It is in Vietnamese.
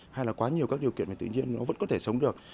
hay là quá nhiều các điều kiện về tự nhiên nó vẫn có thể sống được